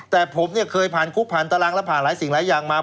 แต่ผมเนี่ยเคยผ่านคุกผ่านตารางและผ่านหลายสิ่งหลายอย่างมา